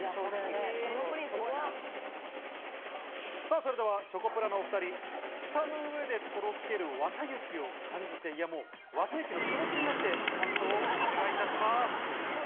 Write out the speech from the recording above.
それではチョコプラのお２人、舌の上でとろける、わた雪を感じて、わた雪の気持ちになって感想をお願いします。